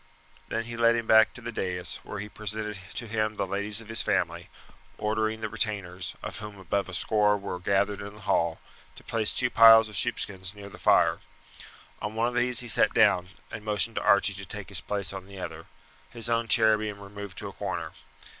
Then he led him back to the dais, where he presented to him the ladies of his family, ordering the retainers, of whom about a score were gathered in the hall, to place two piles of sheepskins near the fire. On one of these he sat down, and motioned to Archie to take his place on the other his own chair being removed to a corner.